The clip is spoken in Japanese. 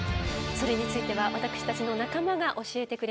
それについては私たちの仲間が教えてくれます。